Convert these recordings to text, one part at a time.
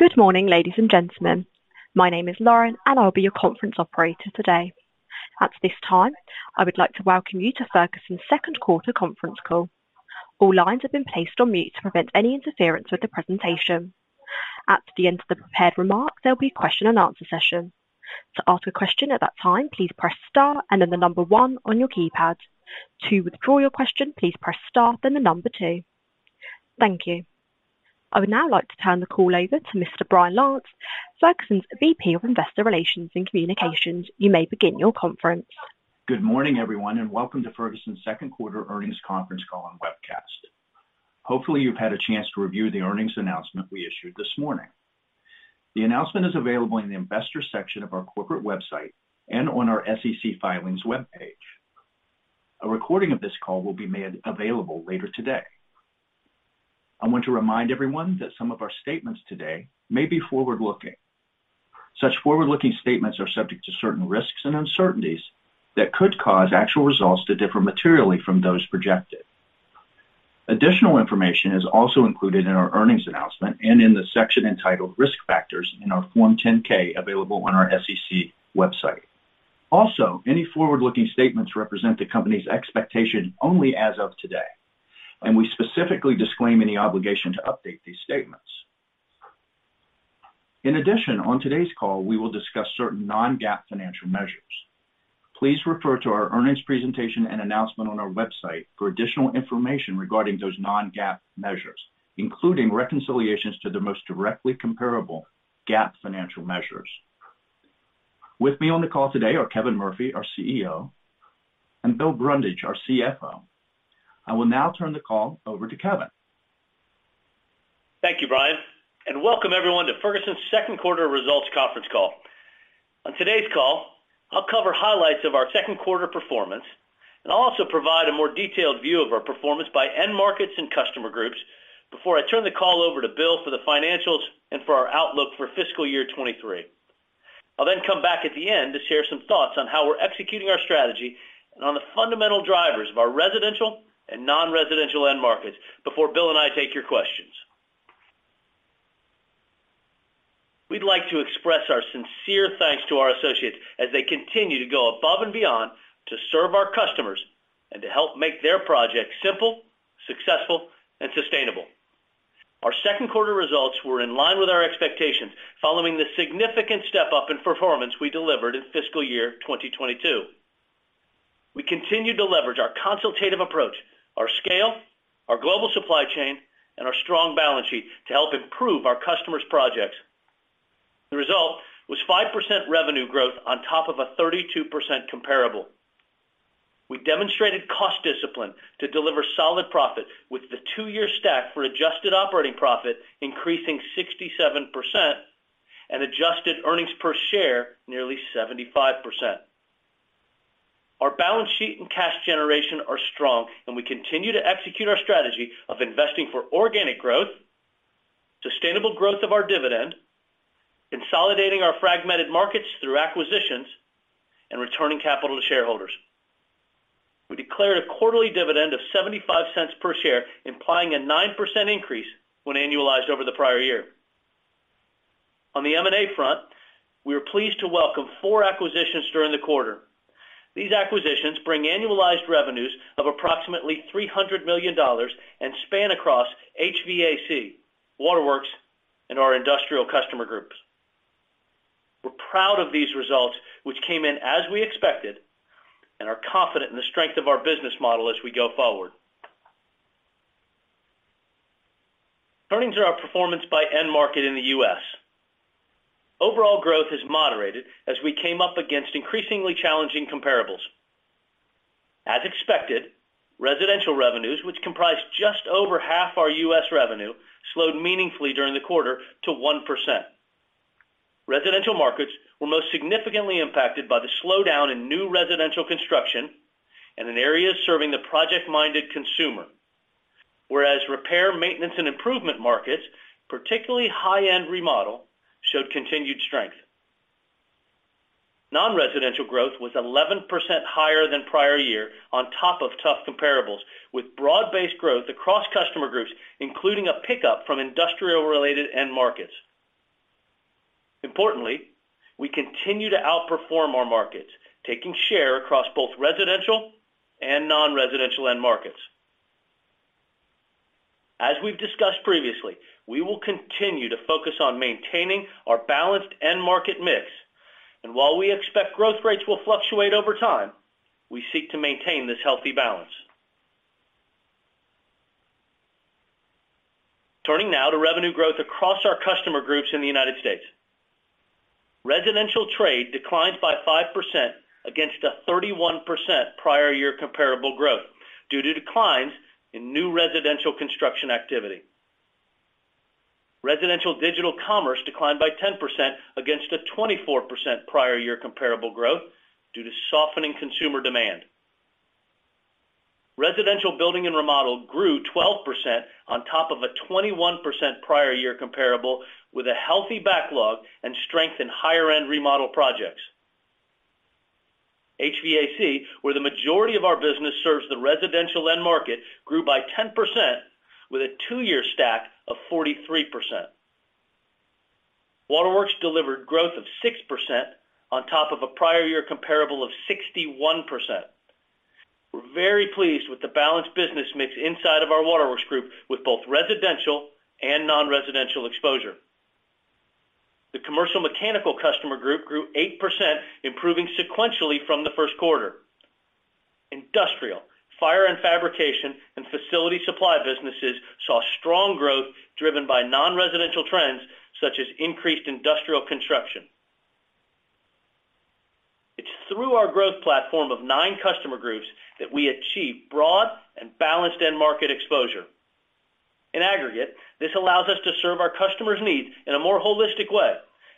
Good morning, ladies and gentlemen. My name is Lauren, and I'll be your conference operator today. At this time, I would like to welcome you to Ferguson's second quarter conference call. All lines have been placed on mute to prevent any interference with the presentation. At the end of the prepared remarks, there'll be a question and answer session. To ask a question at that time, please press star and then the number one on your keypad. To withdraw your question, please press star, then the number two. Thank you. I would now like to turn the call over to Mr. Brian Lantz, Ferguson's VP of Investor Relations and Communications. You may begin your conference. Good morning, everyone, welcome to Ferguson's second quarter earnings conference call and webcast. Hopefully, you've had a chance to review the earnings announcement we issued this morning. The announcement is available in the Investors section of our corporate website and on our SEC Filings webpage. A recording of this call will be made available later today. I want to remind everyone that some of our statements today may be forward-looking. Such forward-looking statements are subject to certain risks and uncertainties that could cause actual results to differ materially from those projected. Additional information is also included in our earnings announcement and in the section entitled "Risk Factors" in our Form 10-K available on our SEC website. Any forward-looking statements represent the company's expectation only as of today, and we specifically disclaim any obligation to update these statements. In addition, on today's call, we will discuss certain non-GAAP financial measures. Please refer to our earnings presentation and announcement on our website for additional information regarding those non-GAAP measures, including reconciliations to the most directly comparable GAAP financial measures. With me on the call today are Kevin Murphy, our CEO, and Bill Brundage, our CFO. I will now turn the call over to Kevin. Thank you, Brian, and welcome everyone to Ferguson's second quarter results conference call. On today's call, I'll cover highlights of our second quarter performance, and I'll also provide a more detailed view of our performance by end markets and customer groups before I turn the call over to Bill for the financials and for our outlook for fiscal year 2023. I'll then come back at the end to share some thoughts on how we're executing our strategy and on the fundamental drivers of our residential and non-residential end markets before Bill and I take your questions. We'd like to express our sincere thanks to our associates as they continue to go above and beyond to serve our customers and to help make their projects simple, successful, and sustainable. Our second quarter results were in line with our expectations following the significant step-up in performance we delivered in fiscal year 2022. We continued to leverage our consultative approach, our scale, our global supply chain, and our strong balance sheet to help improve our customers' projects. The result was 5% revenue growth on top of a 32% comparable. We demonstrated cost discipline to deliver solid profit with the two-year stack for adjusted operating profit increasing 67% and adjusted earnings per share nearly 75%. Our balance sheet and cash generation are strong, and we continue to execute our strategy of investing for organic growth, sustainable growth of our dividend, consolidating our fragmented markets through acquisitions, and returning capital to shareholders. We declared a quarterly dividend of $0.75 per share, implying a 9% increase when annualized over the prior year. On the M&A front, we are pleased to welcome 4 acquisitions during the quarter. These acquisitions bring annualized revenues of approximately $300 million and span across HVAC, waterworks, and our industrial customer groups. We're proud of these results, which came in as we expected, and are confident in the strength of our business model as we go forward. Turning to our performance by end market in the U.S. Overall growth has moderated as we came up against increasingly challenging comparables. As expected, residential revenues, which comprise just over half our U.S. revenue, slowed meaningfully during the quarter to 1%. Residential markets were most significantly impacted by the slowdown in new residential construction and in areas serving the project-minded consumer. Repair, maintenance, and improvement markets, particularly high-end remodel, showed continued strength. Non-residential growth was 11% higher than prior year on top of tough comparables, with broad-based growth across customer groups, including a pickup from industrial-related end markets. Importantly, we continue to outperform our markets, taking share across both residential and non-residential end markets. As we've discussed previously, we will continue to focus on maintaining our balanced end market mix. While we expect growth rates will fluctuate over time, we seek to maintain this healthy balance. Turning now to revenue growth across our customer groups in the United States. Residential trade declined by 5% against a 31% prior year comparable growth due to declines in new residential construction activity. Residential digital commerce declined by 10% against a 24% prior year comparable growth due to softening consumer demand. Residential building and remodel grew 12% on top of a 21% prior-year comparable with a healthy backlog and strength in higher-end remodel projects. HVAC, where the majority of our business serves the residential end market, grew by 10% with a two-year stack of 43%. Waterworks delivered growth of 6% on top of a prior-year comparable of 61%. We're very pleased with the balanced business mix inside of our waterworks group with both residential and non-residential exposure. The commercial mechanical customer group grew 8%, improving sequentially from the first quarter. Industrial, fire and fabrication, and facility supply businesses saw strong growth driven by non-residential trends such as increased industrial construction. It's through our growth platform of nine customer groups that we achieve broad and balanced end market exposure. In aggregate, this allows us to serve our customers' needs in a more holistic way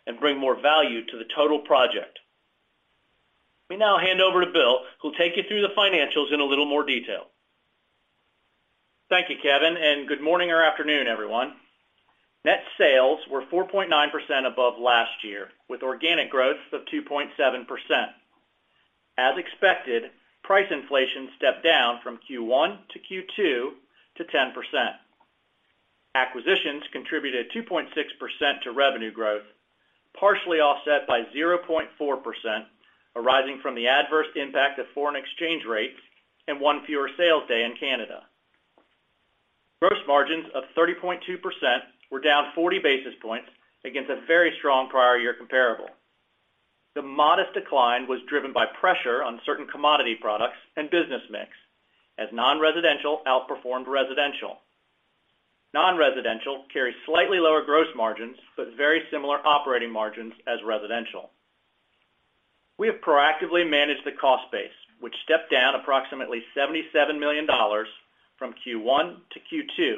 and bring more value to the total project. Let me now hand over to Bill, who'll take you through the financials in a little more detail. Thank you, Kevin, and good morning or afternoon, everyone. Net sales were 4.9% above last year, with organic growth of 2.7%. As expected, price inflation stepped down from Q1 to Q2 to 10%. Acquisitions contributed 2.6% to revenue growth, partially offset by 0.4% arising from the adverse impact of foreign exchange rates and one fewer sales day in Canada. Gross margins of 30.2% were down 40 basis points against a very strong prior year comparable. The modest decline was driven by pressure on certain commodity products and business mix as non-residential outperformed residential. Non-residential carries slightly lower gross margins but very similar operating margins as residential. We have proactively managed the cost base, which stepped down approximately $77 million from Q1 to Q2,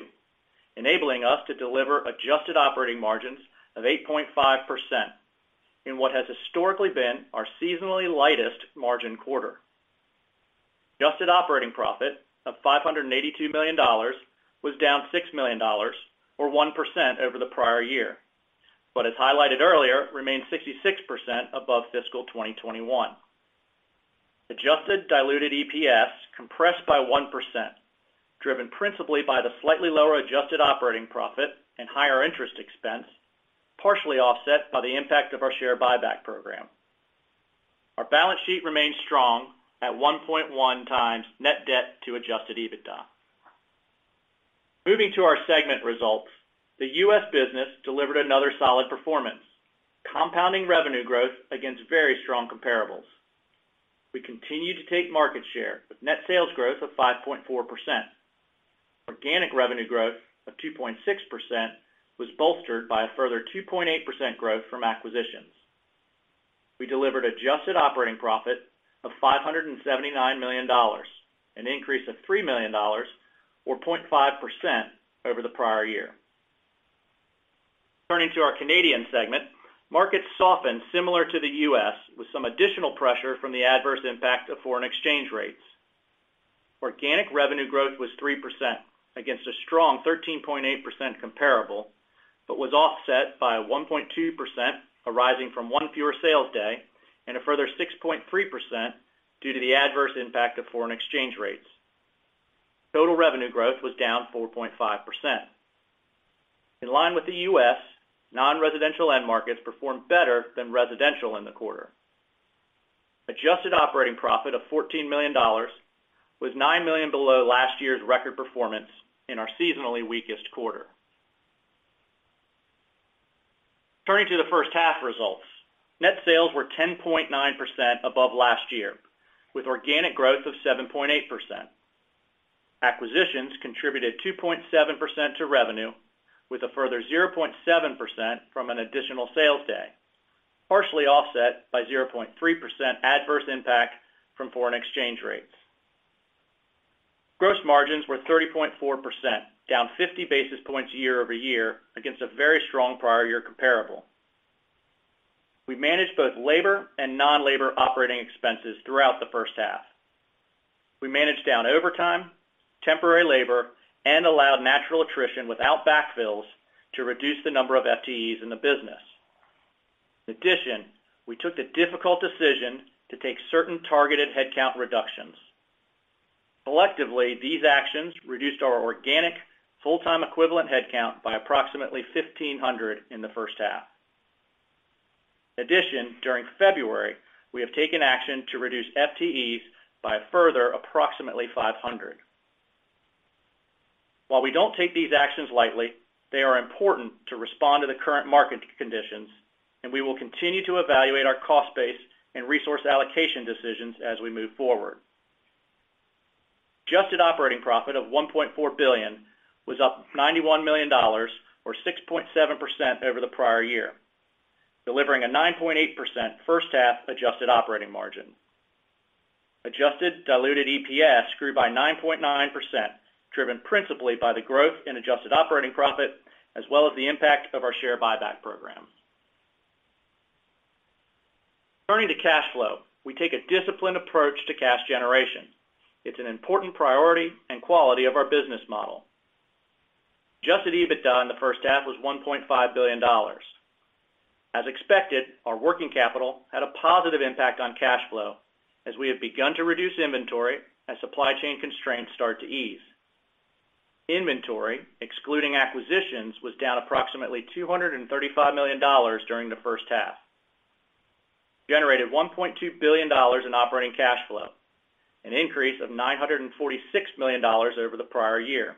enabling us to deliver adjusted operating margins of 8.5% in what has historically been our seasonally lightest margin quarter. Adjusted operating profit of $582 million was down $6 million, or 1%, over the prior year, as highlighted earlier, remains 66% above fiscal 2021. Adjusted diluted EPS compressed by 1%, driven principally by the slightly lower adjusted operating profit and higher interest expense, partially offset by the impact of our share buyback program. Our balance sheet remains strong at 1.1x net debt to adjusted EBITDA. Moving to our segment results, the U.S. business delivered another solid performance, compounding revenue growth against very strong comparables. We continue to take market share with net sales growth of 5.4%. Organic revenue growth of 2.6% was bolstered by a further 2.8% growth from acquisitions. We delivered adjusted operating profit of $579 million, an increase of $3 million, or 0.5%, over the prior year. Turning to our Canadian segment, markets softened similar to the U.S., with some additional pressure from the adverse impact of foreign exchange rates. Organic revenue growth was 3% against a strong 13.8% comparable, but was offset by 1.2% arising from one fewer sales day and a further 6.3% due to the adverse impact of foreign exchange rates. Total revenue growth was down 4.5%. In line with the U.S., non-residential end markets performed better than residential in the quarter. Adjusted operating profit of $14 million was $9 million below last year's record performance in our seasonally weakest quarter. Turning to the first half results, net sales were 10.9% above last year, with organic growth of 7.8%. Acquisitions contributed 2.7% to revenue, with a further 0.7% from an additional sales day, partially offset by 0.3% adverse impact from foreign exchange rates. Gross margins were 30.4%, down 50 basis points year-over-year against a very strong prior year comparable. We managed both labor and non-labor operating expenses throughout the first half. We managed down overtime, temporary labor, and allowed natural attrition without backfills to reduce the number of FTEs in the business. We took the difficult decision to take certain targeted headcount reductions. Collectively, these actions reduced our organic full-time equivalent headcount by approximately 1,500 in the first half. During February, we have taken action to reduce FTEs by a further approximately 500. While we don't take these actions lightly, they are important to respond to the current market conditions, and we will continue to evaluate our cost base and resource allocation decisions as we move forward. Adjusted operating profit of $1.4 billion was up $91 million or 6.7% over the prior year, delivering a 9.8% first half adjusted operating margin. Adjusted diluted EPS grew by 9.9%, driven principally by the growth in adjusted operating profit as well as the impact of our share buyback program. Turning to cash flow, we take a disciplined approach to cash generation. It's an important priority and quality of our business model. Adjusted EBITDA in the first half was $1.5 billion. As expected, our working capital had a positive impact on cash flow as we have begun to reduce inventory as supply chain constraints start to ease. Inventory, excluding acquisitions, was down approximately $235 million during the first half. Generated $1.2 billion in operating cash flow, an increase of $946 million over the prior year.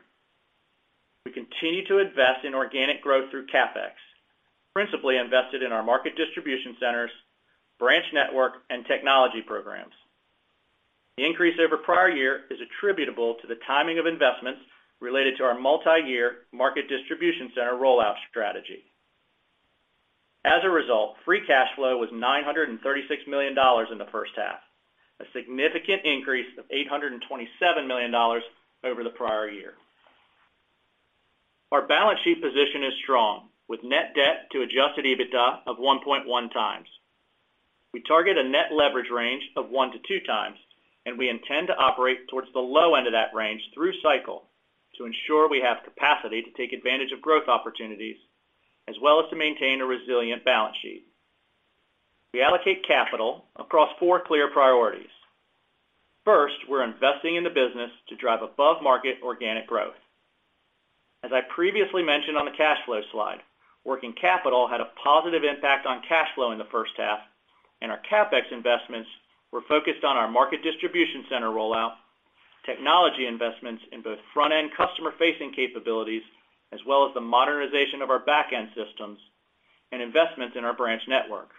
We continue to invest in organic growth through CapEx, principally invested market distribution centers, branch network, and technology programs. The increase over prior year is attributable to the timing of investments related to market distribution center rollout strategy. As a result, free cash flow was $936 million in the first half, a significant increase of $827 million over the prior year. Our balance sheet position is strong, with net debt to adjusted EBITDA of 1.1x. We target a net leverage range of 1x-2x, and we intend to operate towards the low end of that range through cycle to ensure we have capacity to take advantage of growth opportunities, as well as to maintain a resilient balance sheet. We allocate capital across four clear priorities. First, we're investing in the business to drive above-market organic growth. As I previously mentioned on the cash flow slide, working capital had a positive impact on cash flow in the first half, and our CapEx investments were focused market distribution centers rollout, technology investments in both front-end customer-facing capabilities, as well as the modernization of our back-end systems and investments in our branch network.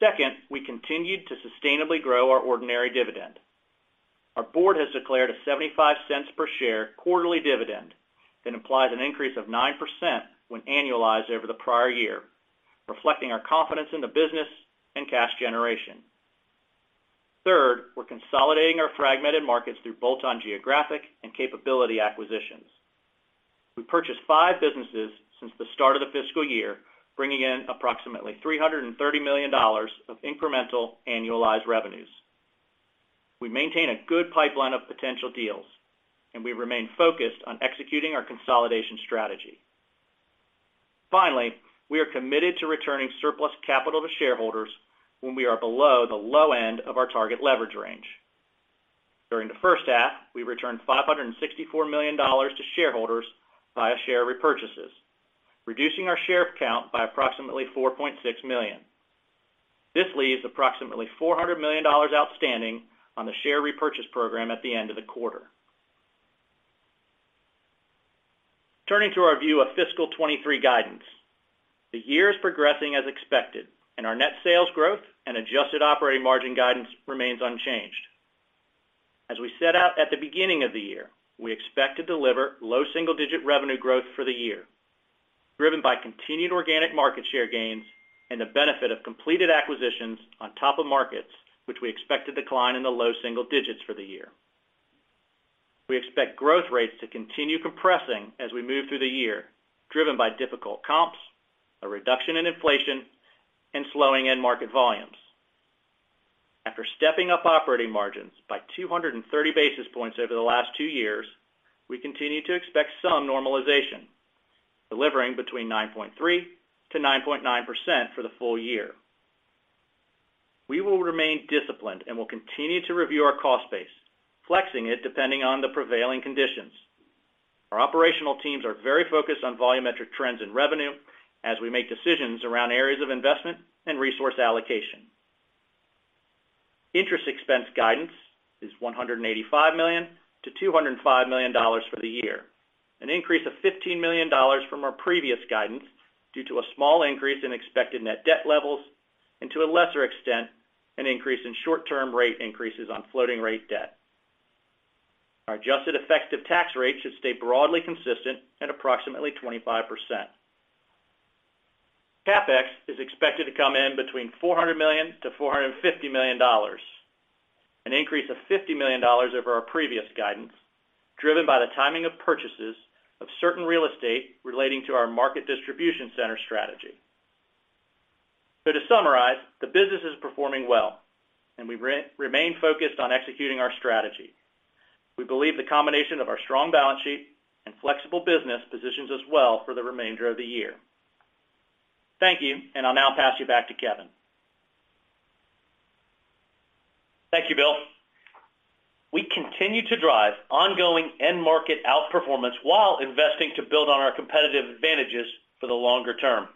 Second, we continued to sustainably grow our ordinary dividend. Our board has declared a $0.75 per share quarterly dividend that implies an increase of 9% when annualized over the prior year, reflecting our confidence in the business and cash generation. Third, we're consolidating our fragmented markets through bolt-on geographic and capability acquisitions. We purchased five businesses since the start of the fiscal year, bringing in approximately $330 million of incremental annualized revenues. We maintain a good pipeline of potential deals, and we remain focused on executing our consolidation strategy. Finally, we are committed to returning surplus capital to shareholders when we are below the low end of our target leverage range. During the first half, we returned $564 million to shareholders via share repurchases, reducing our share count by approximately 4.6 million. This leaves approximately $400 million outstanding on the share repurchase program at the end of the quarter. Turning to our view of fiscal 2023 guidance. The year is progressing as expected, and our net sales growth and adjusted operating margin guidance remains unchanged. As we set out at the beginning of the year, we expect to deliver low single-digit revenue growth for the year, driven by continued organic market share gains and the benefit of completed acquisitions on top of markets which we expect to decline in the low single-digits for the year. We expect growth rates to continue compressing as we move through the year, driven by difficult comps, a reduction in inflation, and slowing end market volumes. After stepping up operating margins by 230 basis points over the last two years, we continue to expect some normalization, delivering between 9.3%-9.9% for the full year. We will remain disciplined and will continue to review our cost base, flexing it depending on the prevailing conditions. Our operational teams are very focused on volumetric trends in revenue as we make decisions around areas of investment and resource allocation. Interest expense guidance is $185 million-$205 million for the year, an increase of $15 million from our previous guidance due to a small increase in expected net debt levels, and to a lesser extent, an increase in short-term rate increases on floating rate debt. Our adjusted effective tax rate should stay broadly consistent at approximately 25%. CapEx is expected to come in between $400 million-$450 million, an increase of $50 million over our previous guidance, driven by the timing of purchases of certain real estate relating market distribution center strategy. to summarize, the business is performing well, and we remain focused on executing our strategy. We believe the combination of our strong balance sheet and flexible business positions us well for the remainder of the year. Thank you, and I'll now pass you back to Kevin. Thank you, Bill. We continue to drive ongoing end market outperformance while investing to build on our competitive advantages for the longer term.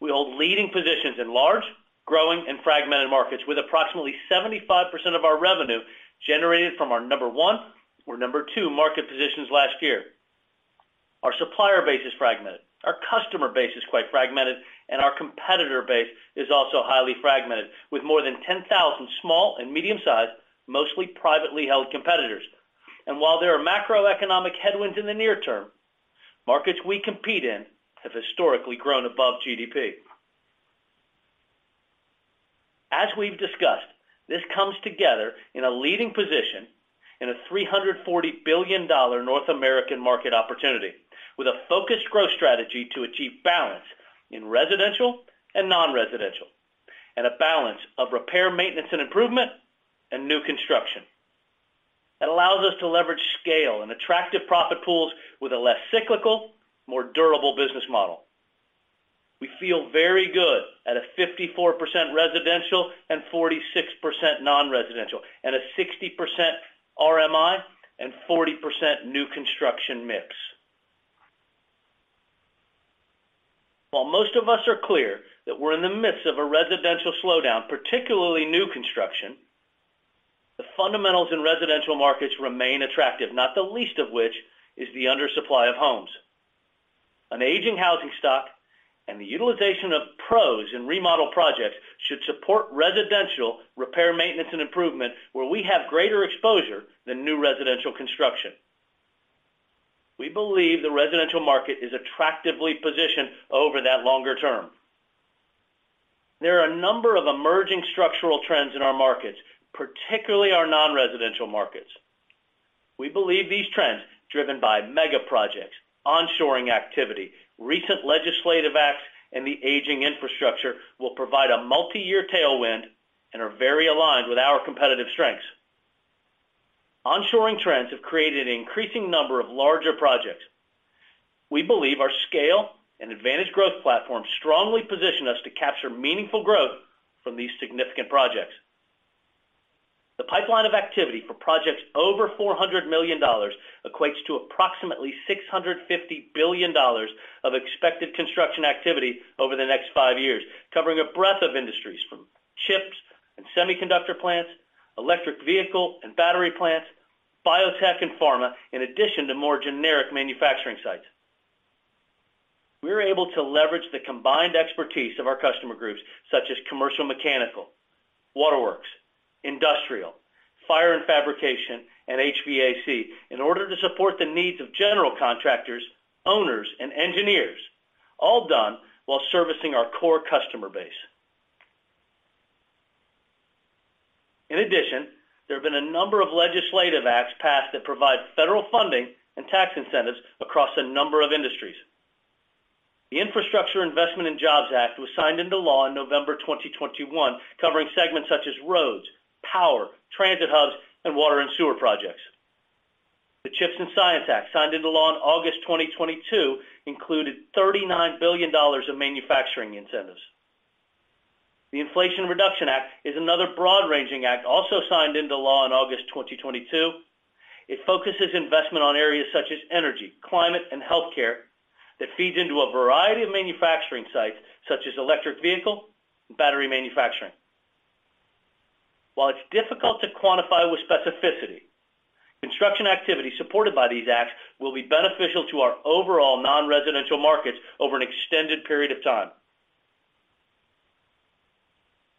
We hold leading positions in large, growing, and fragmented markets, with approximately 75% of our revenue generated from our number one or number two market positions last year. Our supplier base is fragmented, our customer base is quite fragmented, and our competitor base is also highly fragmented, with more than 10,000 small and medium-sized, mostly privately held competitors. While there are macroeconomic headwinds in the near term, markets we compete in have historically grown above GDP. As we've discussed, this comes together in a leading position in a $340 billion North American market opportunity, with a focused growth strategy to achieve balance in residential and non-residential, and a balance of repair, maintenance, and improvement, and new construction. That allows us to leverage scale and attractive profit pools with a less cyclical, more durable business model. We feel very good at a 54% residential and 46% non-residential, and a 60% RMI and 40% new construction mix. While most of us are clear that we're in the midst of a residential slowdown, particularly new construction, the fundamentals in residential markets remain attractive, not the least of which is the undersupply of homes. An aging housing stock and the utilization of pros in remodel projects should support residential repair, maintenance, and improvement, where we have greater exposure than new residential construction. We believe the residential market is attractively positioned over that longer term. There are a number of emerging structural trends in our markets, particularly our non-residential markets. We believe these trends, driven by mega projects, onshoring activity, recent legislative acts, and the aging infrastructure, will provide a multiyear tailwind and are very aligned with our competitive strengths. Onshoring trends have created an increasing number of larger projects. We believe our scale and advantage growth platform strongly position us to capture meaningful growth from these significant projects. The pipeline of activity for projects over $400 million equates to approximately $650 billion of expected construction activity over the next five years, covering a breadth of industries from chips and semiconductor plants, electric vehicle and battery plants, biotech and pharma, in addition to more generic manufacturing sites. We are able to leverage the combined expertise of our customer groups, such as commercial mechanical, waterworks, industrial, fire and fabrication, and HVAC, in order to support the needs of general contractors, owners, and engineers, all done while servicing our core customer base. In addition, there have been a number of legislative acts passed that provide federal funding and tax incentives across a number of industries. The Infrastructure Investment and Jobs Act was signed into law in November 2021, covering segments such as roads, power, transit hubs, and water and sewer projects. The CHIPS and Science Act, signed into law in August 2022, included $39 billion of manufacturing incentives. The Inflation Reduction Act is another broad-ranging act, also signed into law in August 2022. It focuses investment on areas such as energy, climate, and healthcare that feeds into a variety of manufacturing sites, such as electric vehicle and battery manufacturing. While it's difficult to quantify with specificity, construction activity supported by these acts will be beneficial to our overall non-residential markets over an extended period of time.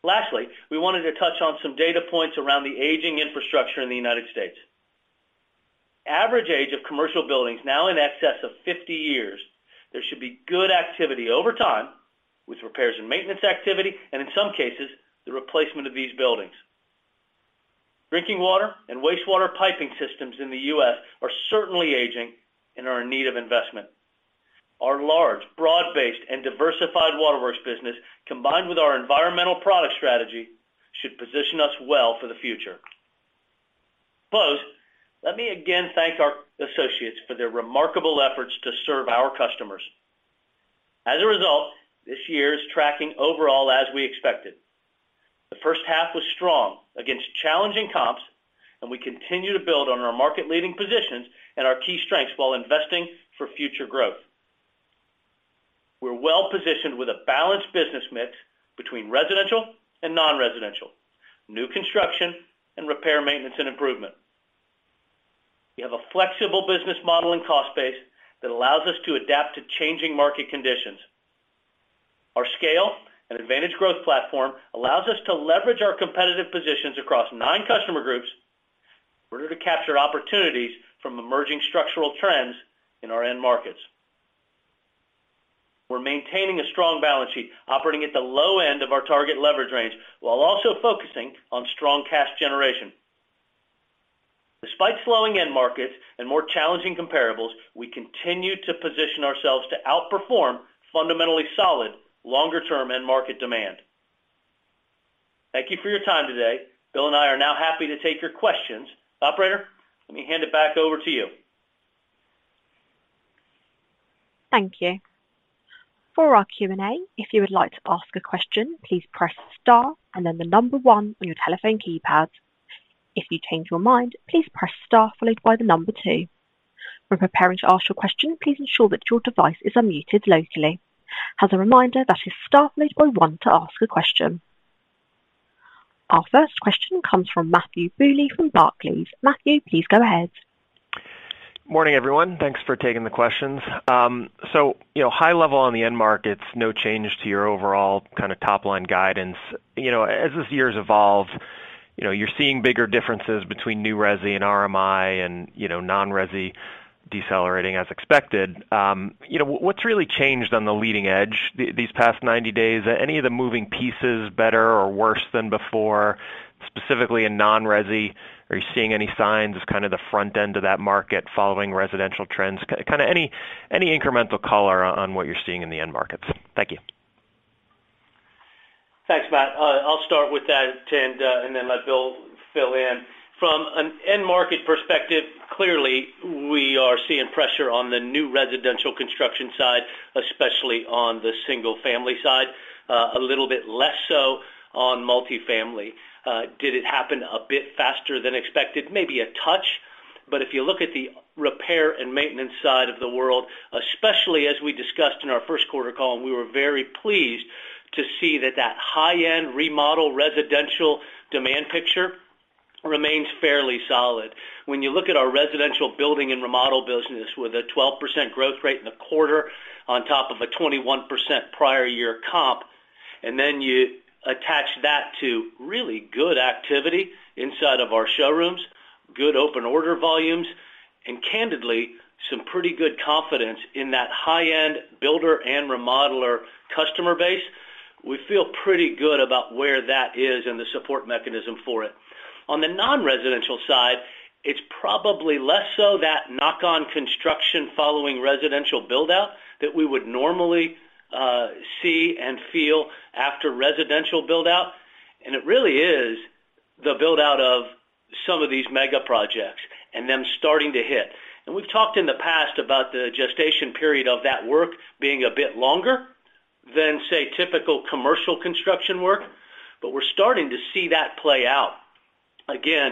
Lastly, we wanted to touch on some data points around the aging infrastructure in the United States. Average age of commercial buildings now in excess of 50 years. There should be good activity over time with repairs and maintenance activity, and in some cases, the replacement of these buildings. Drinking water and wastewater piping systems in the U.S. are certainly aging and are in need of investment. Our large, broad-based and diversified waterworks business, combined with our environmental product strategy, should position us well for the future. To close, let me again thank our associates for their remarkable efforts to serve our customers. As a result, this year is tracking overall as we expected. The first half was strong against challenging comps, and we continue to build on our market-leading positions and our key strengths while investing for future growth. We're well-positioned with a balanced business mix between residential and non-residential, new construction, and repair, maintenance, and improvement. We have a flexible business model and cost base that allows us to adapt to changing market conditions. Our scale and advantage growth platform allows us to leverage our competitive positions across nine customer groups in order to capture opportunities from emerging structural trends in our end markets. We're maintaining a strong balance sheet, operating at the low end of our target leverage range, while also focusing on strong cash generation. Despite slowing end markets and more challenging comparables, we continue to position ourselves to outperform fundamentally solid, longer-term end market demand. Thank you for your time today. Bill and I are now happy to take your questions. Operator, let me hand it back over to you. Thank you. For our Q&A, if you would like to ask a question, please press star and then the number one on your telephone keypad. If you change your mind, please press star followed by the number two. When preparing to ask your question, please ensure that your device is unmuted locally. As a reminder, that is star followed by one to ask a question. Our first question comes from Matthew Bouley from Barclays. Matthew, please go ahead. Morning, everyone. Thanks for taking the questions. You know, high level on the end markets, no change to your overall kind of top-line guidance. You know, as this year's evolved, you know, you're seeing bigger differences between new resi and RMI and, you know, non-resi decelerating as expected. You know, what's really changed on the leading edge these past 90 days? Any of the moving pieces better or worse than before, specifically in non-resi? Are you seeing any signs as kind of the front end to that market following residential trends? Kind of any incremental color on what you're seeing in the end markets? Thank you. Thanks, Matt. I'll start with that and then let Bill fill in. From an end market perspective, clearly, we are seeing pressure on the new residential construction side, especially on the single-family side, a little bit less so on multifamily. Did it happen a bit faster than expected? Maybe a touch. If you look at the repair and maintenance side of the world, especially as we discussed in our first quarter call, and we were very pleased to see that that high-end remodel residential demand picture remains fairly solid. When you look at our residential building and remodel business with a 12% growth rate in the quarter on top of a 21% prior year comp, and then you attach that to really good activity inside of our showrooms, good open order volumes, and candidly, some pretty good confidence in that high-end builder and remodeler customer base, we feel pretty good about where that is and the support mechanism for it. On the non-residential side, it's probably less so that knock on construction following residential build-out that we would normally see and feel after residential build-out, and it really is the build-out of some of these mega projects and them starting to hit. We've talked in the past about the gestation period of that work being a bit longer than, say, typical commercial construction work. We're starting to see that play out, again,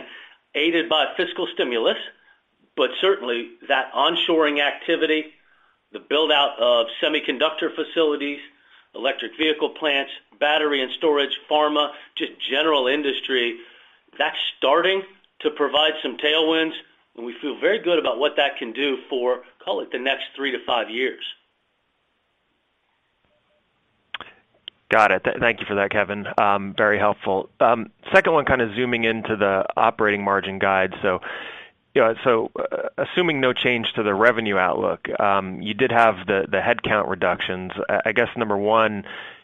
aided by fiscal stimulus, but certainly that onshoring activity, the build-out of semiconductor facilities, electric vehicle plants, battery and storage, pharma, to general industry, that's starting to provide some tailwinds, and we feel very good about what that can do for, call it, the next three to five years. Got it. Thank you for that, Kevin. Very helpful. Second one, kind of zooming into the operating margin guide. You know, assuming no change to the revenue outlook, you did have the headcount reductions. I guess number one,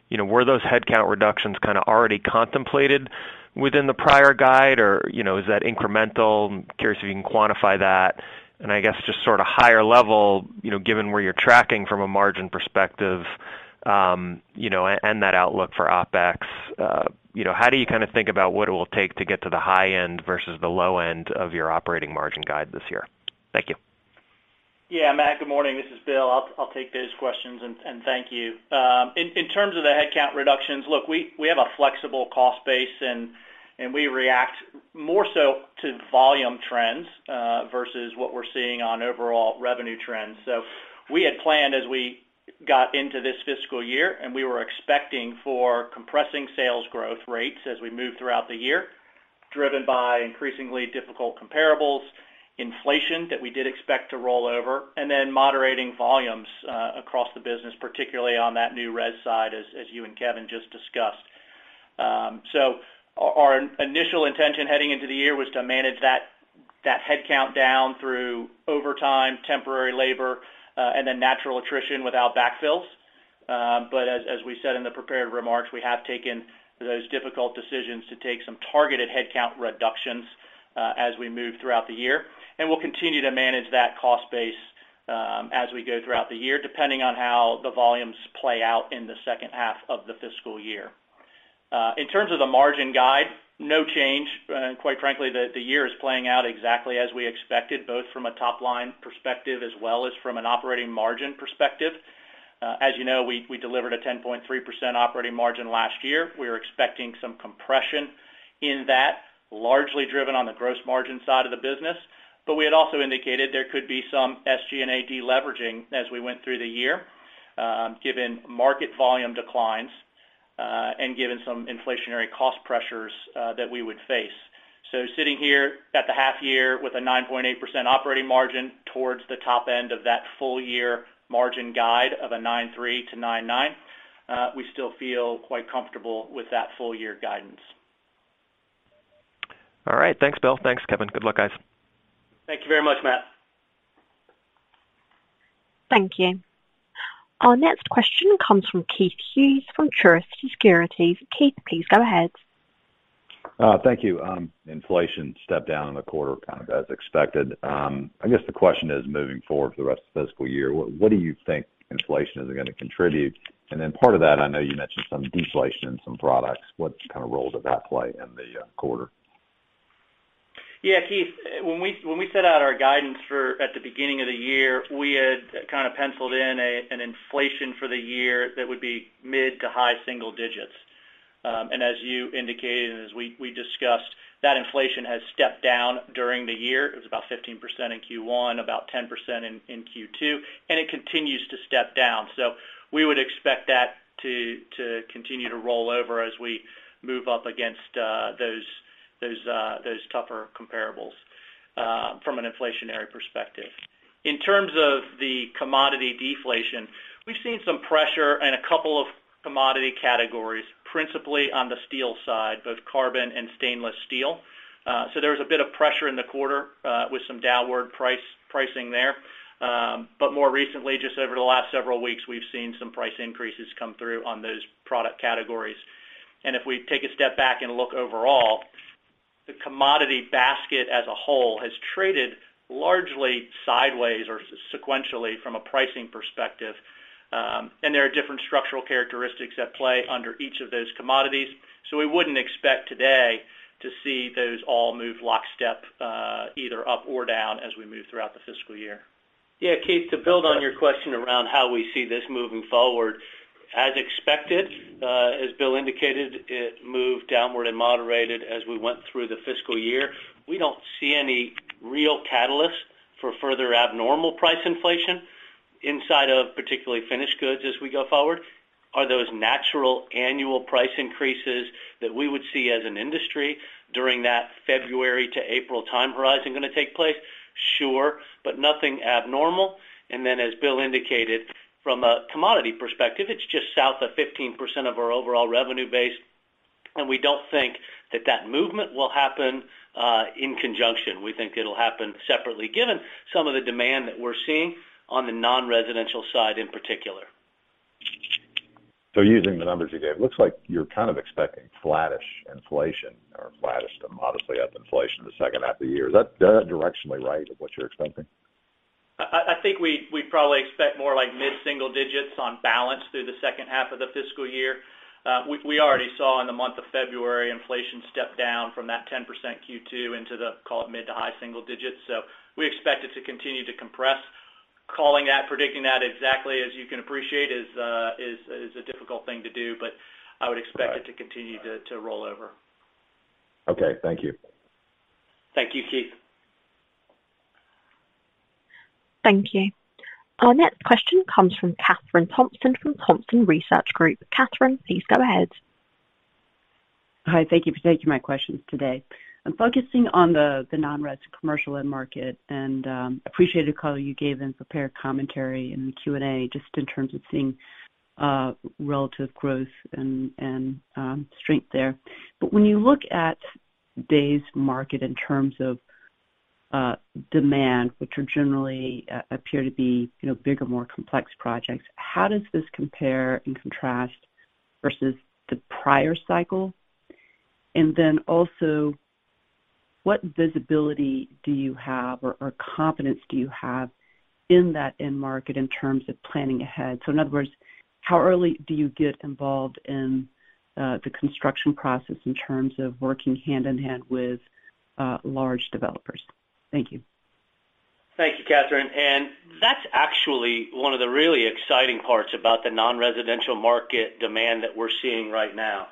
you know, were those headcount reductions kind of already contemplated within the prior guide? Or, you know, is that incremental? I'm curious if you can quantify that. I guess just sort of higher level, you know, given where you're tracking from a margin perspective, you know, and that outlook for OpEx, you know, how do you kind of think about what it will take to get to the high end versus the low end of your operating margin guide this year? Thank you. Yeah, Matt, good morning. This is Bill. I'll take those questions, and thank you. In terms of the headcount reductions, look, we have a flexible cost base, and we react more so to volume trends versus what we're seeing on overall revenue trends. We had planned as we got into this fiscal year, we were expecting for compressing sales growth rates as we move throughout the year, driven by increasingly difficult comparables, inflation that we did expect to roll over, moderating volumes across the business, particularly on that new res side, as you and Kevin just discussed. Our initial intention heading into the year was to manage that headcount down through overtime, temporary labor, natural attrition without backfills. As we said in the prepared remarks, we have taken those difficult decisions to take some targeted headcount reductions as we move throughout the year. We'll continue to manage that cost base as we go throughout the year, depending on how the volumes play out in the second half of the fiscal year. In terms of the margin guide, no change. Quite frankly, the year is playing out exactly as we expected, both from a top-line perspective as well as from an operating margin perspective. As you know, we delivered a 10.3% operating margin last year. We are expecting some compression in that, largely driven on the gross margin side of the business. We had also indicated there could be some SG&A deleveraging as we went through the year, given market volume declines, and given some inflationary cost pressures that we would face. Sitting here at the half year with a 9.8% operating margin towards the top end of that full year margin guide of a 9.3%-9.9%, we still feel quite comfortable with that full year guidance. All right. Thanks, Bill. Thanks, Kevin. Good luck, guys. Thank you very much, Matt. Thank you. Our next question comes from Keith Hughes from Truist Securities. Keith, please go ahead. Thank you. Inflation stepped down in the quarter kind of as expected. I guess the question is moving forward for the rest of the fiscal year, what do you think inflation is gonna contribute? Part of that, I know you mentioned some deflation in some products. What kind of role did that play in the quarter? Yeah, Keith, when we set out our guidance for at the beginning of the year, we had kind of penciled in an inflation for the year that would be mid to high single-digits. As you indicated, and as we discussed, that inflation has stepped down during the year. It was about 15% in Q1, about 10% in Q2, and it continues to step down. We would expect that to continue to roll over as we move up against those tougher comparables from an inflationary perspective. In terms of the commodity deflation, we've seen some pressure in a couple of commodity categories, principally on the steel side, both carbon and stainless steel. There was a bit of pressure in the quarter with some downward pricing there. More recently, just over the last several weeks, we've seen some price increases come through on those product categories. If we take a step back and look overall. The commodity basket as a whole has traded largely sideways or sequentially from a pricing perspective. There are different structural characteristics at play under each of those commodities. We wouldn't expect today to see those all move lockstep, either up or down as we move throughout the fiscal year. Yeah, Keith, to build on your question around how we see this moving forward, as expected, as Bill indicated, it moved downward and moderated as we went through the fiscal year. We don't see any real catalyst for further abnormal price inflation inside of particularly finished goods as we go forward. Are those natural annual price increases that we would see as an industry during that February to April time horizon gonna take place? Sure. Nothing abnormal. As Bill indicated from a commodity perspective, it's just south of 15% of our overall revenue base, and we don't think that that movement will happen in conjunction. We think it'll happen separately, given some of the demand that we're seeing on the non-residential side in particular. Using the numbers you gave, it looks like you're kind of expecting flattish inflation or flattish to modestly up inflation in the second half of the year. Is that directionally right of what you're expecting? I think we probably expect more like mid-single-digits on balance through the second half of the fiscal year. We already saw in the month of February inflation step down from that 10% Q2 into the, call it, mid to high single-digits. We expect it to continue to compress. Calling that, predicting that exactly as you can appreciate is a difficult thing to do. I would expect it to continue to roll over. Okay. Thank you. Thank you, Keith. Thank you. Our next question comes from Kathryn Thompson from Thompson Research Group. Kathryn, please go ahead. Hi. Thank you for taking my questions today. I'm focusing on the non-res commercial end market and appreciated the call you gave in prepared commentary in the Q&A, just in terms of seeing relative growth and strength there. When you look at day's market in terms of demand, which are generally appear to be, you know, bigger, more complex projects, how does this compare and contrast versus the prior cycle? Then also, what visibility do you have or confidence do you have in that end market in terms of planning ahead? In other words, how early do you get involved in the construction process in terms of working hand-in-hand with large developers? Thank you. Thank you, Kathryn. That's actually one of the really exciting parts about the non-residential market demand that we're seeing right now.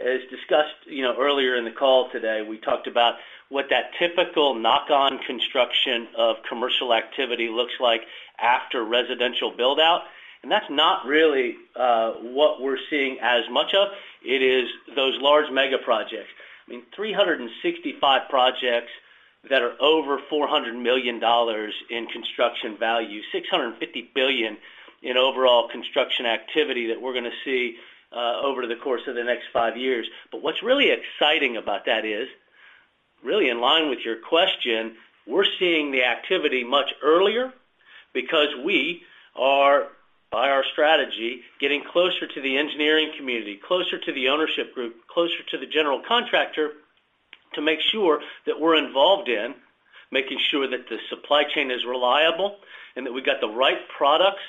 As discussed, you know, earlier in the call today, we talked about what that typical knock-on construction of commercial activity looks like after residential build-out, that's not really what we're seeing as much of. It is those large mega projects. I mean, 365 projects that are over $400 million in construction value, $650 billion in overall construction activity that we're gonna see over the course of the next five years. What's really exciting about that is, really in line with your question, we're seeing the activity much earlier because we are, by our strategy, getting closer to the engineering community, closer to the ownership group, closer to the general contractor to make sure that we're involved in making sure that the supply chain is reliable and that we've got the right products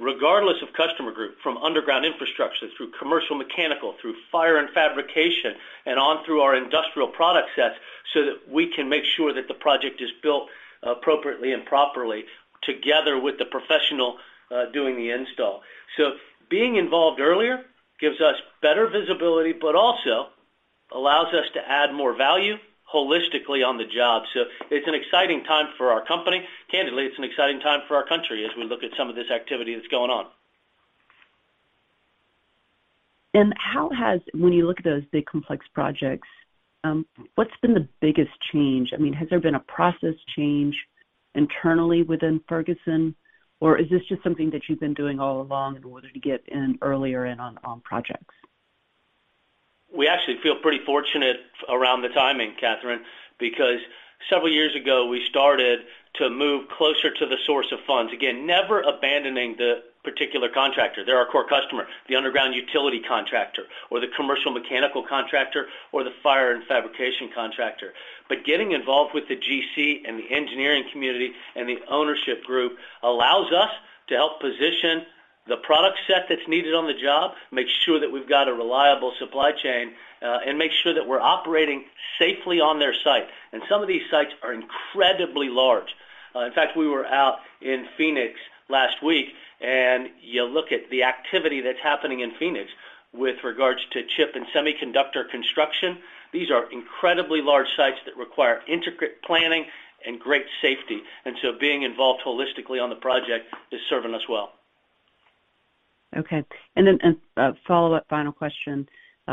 regardless of customer group, from underground infrastructure through commercial mechanical, through fire and fabrication and on through our industrial product set, so that we can make sure that the project is built appropriately and properly together with the professional doing the install. Being involved earlier gives us better visibility, but also allows us to add more value holistically on the job. It's an exciting time for our company. Candidly, it's an exciting time for our country as we look at some of this activity that's going on. When you look at those big complex projects, what's been the biggest change? I mean, has there been a process change internally within Ferguson, or is this just something that you've been doing all along in order to get in earlier in on projects? We actually feel pretty fortunate around the timing, Kathryn, because several years ago, we started to move closer to the source of funds. Again, never abandoning the particular contractor. They're our core customer, the underground utility contractor or the commercial mechanical contractor or the fire and fabrication contractor. Getting involved with the GC and the engineering community and the ownership group allows us to help position the product set that's needed on the job, make sure that we've got a reliable supply chain, and make sure that we're operating safely on their site. Some of these sites are incredibly large. In fact, we were out in Phoenix last week, you look at the activity that's happening in Phoenix with regards to chip and semiconductor construction. These are incredibly large sites that require intricate planning and great safety. Being involved holistically on the project is serving us well. Okay. A follow-up final question,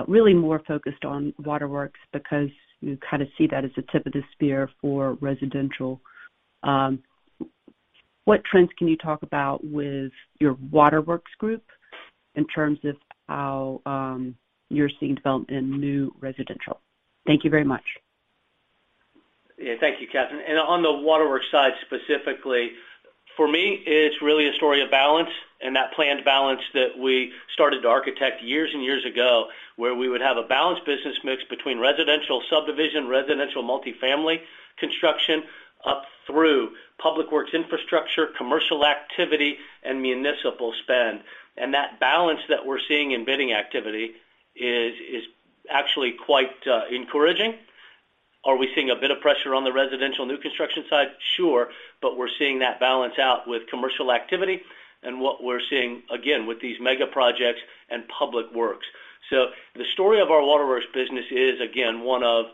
really more focused on waterworks because you kind of see that as the tip of the spear for residential. What trends can you talk about with your waterworks group in terms of how you're seeing development in new residential? Thank you very much. Yeah. Thank you, Kathryn. On the waterworks side specifically, for me, it's really a story of balance and that planned balance that we started to architect years and years ago, where we would have a balanced business mix between residential subdivision, residential multifamily construction, up through public works infrastructure, commercial activity, and municipal spend. That balance that we're seeing in bidding activity is actually quite encouraging. Are we seeing a bit of pressure on the residential new construction side? Sure. We're seeing that balance out with commercial activity and what we're seeing, again, with these mega projects and public works. The story of our waterworks business is again, one of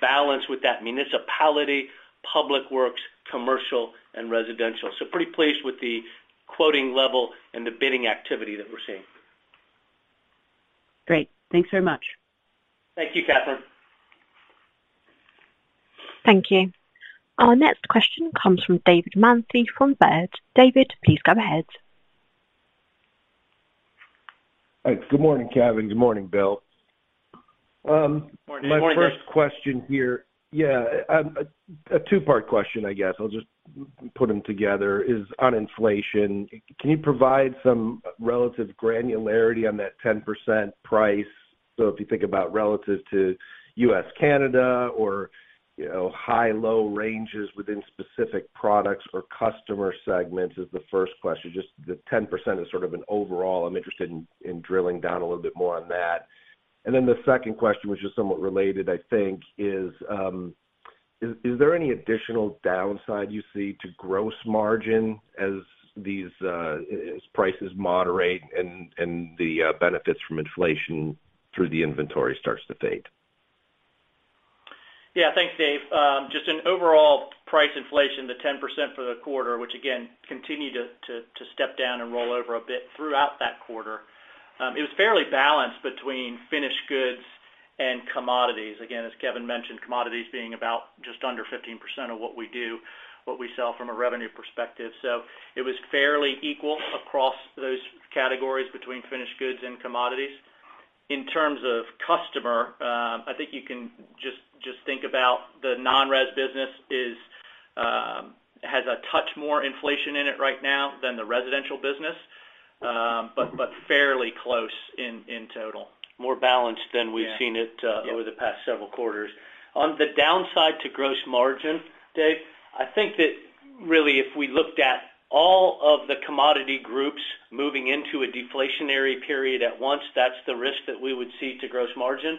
balance with that municipality, public works, commercial and residential. Pretty pleased with the quoting level and the bidding activity that we're seeing. Great. Thanks very much. Thank you, Kathryn. Thank you. Our next question comes from David Manthey from Baird. David, please go ahead. All right. Good morning, Kevin. Good morning, Bill. Morning, Dave. My first question here. Yeah, a two-part question, I guess. I'll just put them together is on inflation. Can you provide some relative granularity on that 10% price? If you think about relative to U.S., Canada or, you know, high, low ranges within specific products or customer segments is the first question. Just the 10% is sort of an overall. I'm interested in drilling down a little bit more on that. The second question, which is somewhat related, I think is there any additional downside you see to gross margin as these as prices moderate and the benefits from inflation through the inventory starts to fade? Yeah, thanks, Dave. Just an overall price inflation, the 10% for the quarter, which again continued to step down and roll over a bit throughout that quarter. It was fairly balanced between finished goods and commodities. Again, as Kevin mentioned, commodities being about just under 15% of what we do, what we sell from a revenue perspective. It was fairly equal across those categories between finished goods and commodities. In terms of customer, I think you can just think about the non-res business has a touch more inflation in it right now than the residential business, but fairly close in total. More balanced than we've seen it. Yeah. over the past several quarters. On the downside to gross margin, Dave, I think that really if we looked at all of the commodity groups moving into a deflationary period at once, that's the risk that we would see to gross margin.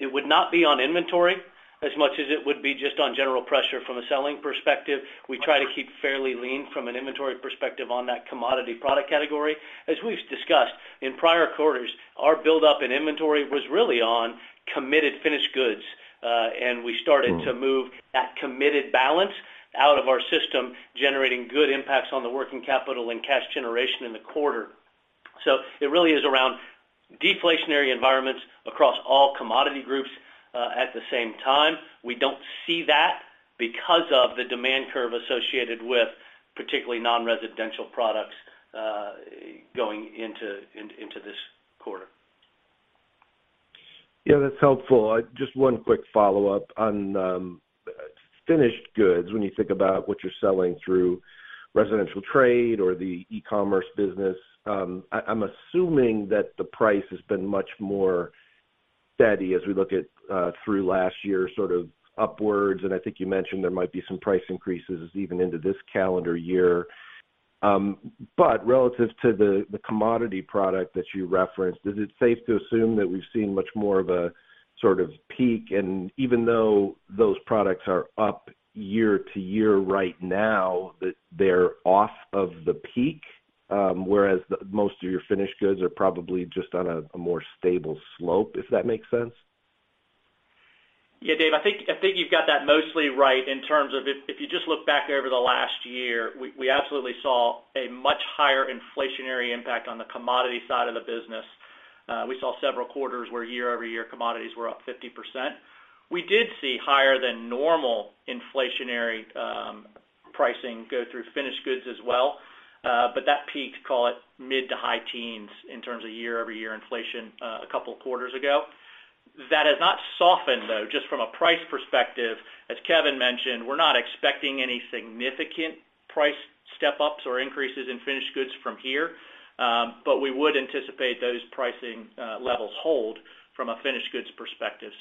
It would not be on inventory as much as it would be just on general pressure from a selling perspective. We try to keep fairly lean from an inventory perspective on that commodity product category. As we've discussed in prior quarters, our buildup in inventory was really on committed finished goods. And we started to move that committed balance out of our system, generating good impacts on the working capital and cash generation in the quarter. It really is around deflationary environments across all commodity groups, at the same time. We don't see that because of the demand curve associated with particularly non-residential products, going into this quarter. That's helpful. Just one quick follow-up on finished goods. When you think about what you're selling through residential trade or the e-commerce business, I'm assuming that the price has been much more steady as we look at through last year, sort of upwards, and I think you mentioned there might be some price increases even into this calendar year. Relative to the commodity product that you referenced, is it safe to assume that we've seen much more of a sort of peak, and even though those products are up year-over-year right now, that they're off of the peak, whereas most of your finished goods are probably just on a more stable slope, if that makes sense? Yeah, Dave, I think you've got that mostly right in terms of if you just look back over the last year, we absolutely saw a much higher inflationary impact on the commodity side of the business. We saw several quarters where year-over-year commodities were up 50%. We did see higher than normal inflationary pricing go through finished goods as well. That peaked, call it mid to high teens in terms of year-over-year inflation, a couple of quarters ago. That has not softened, though, just from a price perspective. As Kevin mentioned, we're not expecting any significant price step-ups or increases in finished goods from here. We would anticipate those pricing levels hold from a finished goods perspective.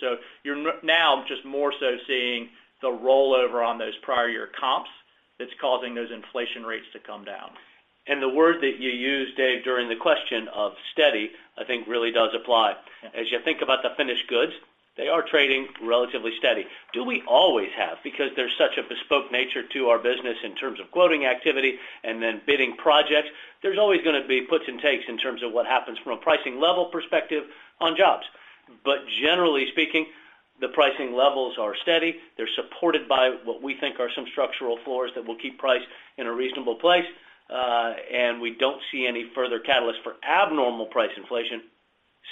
You're now just more so seeing the rollover on those prior year comps that's causing those inflation rates to come down. The word that you used, Dave, during the question of steady, I think, really does apply. As you think about the finished goods, they are trading relatively steady. Do we always have? Because there's such a bespoke nature to our business in terms of quoting activity and then bidding projects. There's always gonna be puts and takes in terms of what happens from a pricing level perspective on jobs. Generally speaking, the pricing levels are steady. They're supported by what we think are some structural floors that will keep price in a reasonable place. We don't see any further catalyst for abnormal price inflation.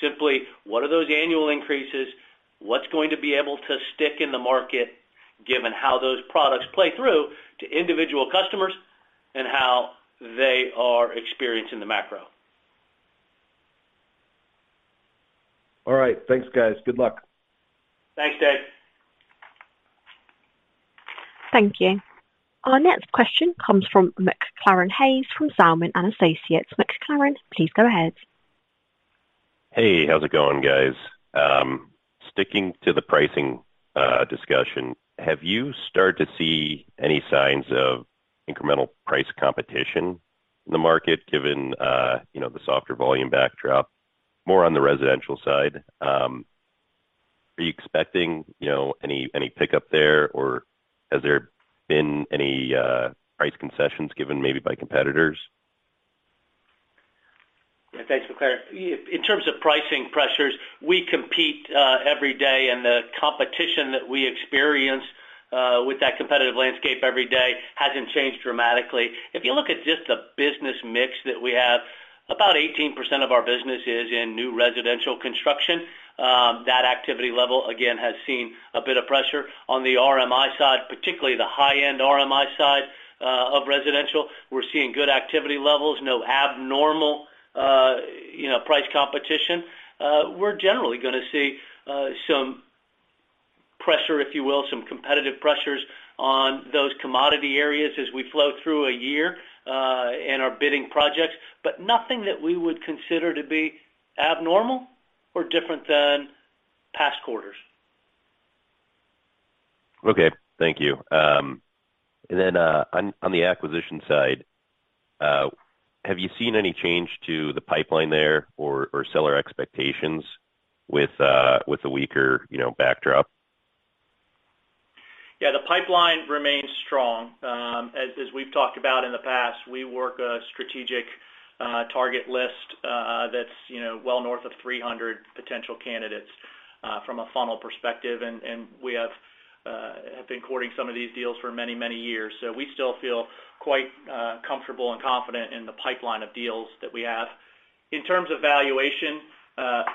Simply, what are those annual increases? What's going to be able to stick in the market given how those products play through to individual customers, and how they are experiencing the macro? All right. Thanks, guys. Good luck. Thanks, Dave. Thank you. Our next question comes from McClaran Hayes from Zelman & Associates. McClaran, please go ahead. Hey, how's it going, guys? Sticking to the pricing discussion, have you started to see any signs of incremental price competition in the market given, you know, the softer volume backdrop more on the residential side? Are you expecting, you know, any pickup there, or has there been any price concessions given maybe by competitors? Thanks, McClaran. In terms of pricing pressures, we compete every day, the competition that we experience with that competitive landscape every day hasn't changed dramatically. If you look at just the business mix that we have, about 18% of our business is in new residential construction. That activity level, again has seen a bit of pressure on the RMI side, particularly the high-end RMI side of residential. We're seeing good activity levels, no abnormal, you know, price competition. We're generally gonna see some pressure, if you will, some competitive pressures on those commodity areas as we flow through a year and our bidding projects, but nothing that we would consider to be abnormal or different than past quarters. Okay. Thank you. On the acquisition side, have you seen any change to the pipeline there or seller expectations with the weaker, you know, backdrop? Yeah. The pipeline remains strong. As we've talked about in the past, we work a strategic target list that's, you know, well north of 300 potential candidates from a funnel perspective, and we have been courting some of these deals for many, many years. We still feel comfortable and confident in the pipeline of deals that we have. In terms of valuation,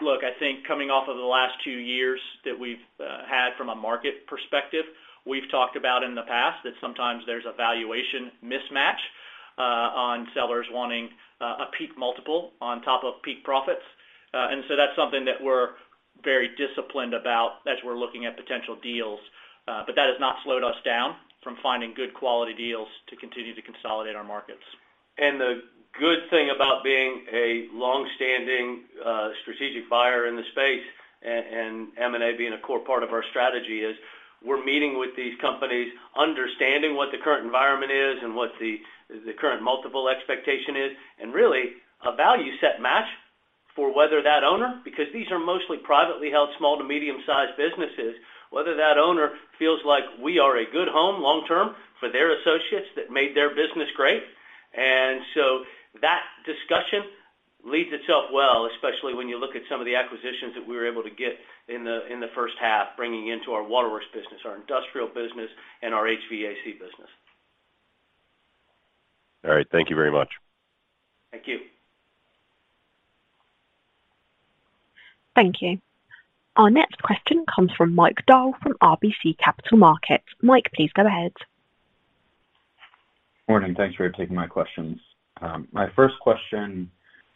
look, I think coming off of the last two years that we've had from a market perspective, we've talked about in the past that sometimes there's a valuation mismatch on sellers wanting a peak multiple on top of peak profits. That's something that we're very disciplined about as we're looking at potential deals. That has not slowed us down from finding good quality deals to continue to consolidate our markets. The good thing about being a long-standing strategic buyer in the space, and M&A being a core part of our strategy, is we're meeting with these companies, understanding what the current environment is and what the current multiple expectation is, and really a value set match for whether that owner, because these are mostly privately held small to medium-sized businesses, whether that owner feels like we are a good home long term for their associates that made their business great. So that discussion leads itself well, especially when you look at some of the acquisitions that we were able to get in the first half, bringing into our waterworks business, our industrial business, and our HVAC business. All right. Thank you very much. Thank you. Thank you. Our next question comes from Mike Dahl from RBC Capital Markets. Mike, please go ahead. Morning. Thanks for taking my questions. My first question,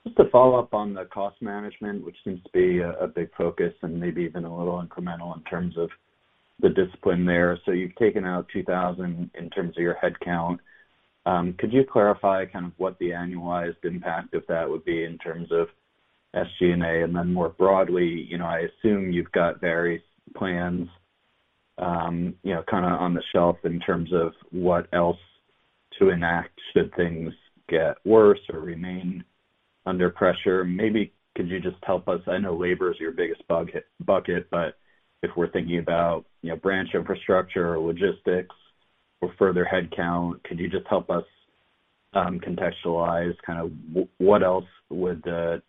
just to follow up on the cost management, which seems to be a big focus and maybe even a little incremental in terms of the discipline there. You've taken out 2,000 in terms of your headcount. Could you clarify kind of what the annualized impact of that would be in terms of SG&A? More broadly, you know, I assume you've got various plans, you know, kinda on the shelf in terms of what else to enact should things get worse or remain under pressure. Maybe could you just help us, I know labor is your biggest bucket, but if we're thinking about, you know, branch infrastructure or logistics or further headcount, could you just help us contextualize kind of what else would the